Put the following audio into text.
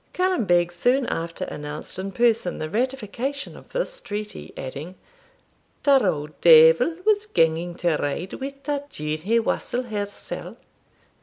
Callum Beg soon after announced in person the ratification of this treaty, adding, 'Ta auld deevil was ganging to ride wi' ta duinhe wassel hersell.'